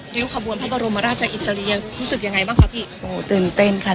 ขบวนพระบรมราชอิสริยรู้สึกยังไงบ้างคะพี่โอ้ตื่นเต้นค่ะ